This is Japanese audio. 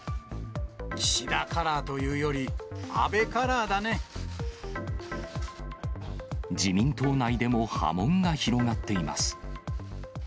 岸田カラーというより、自民党内でも波紋が広がっています。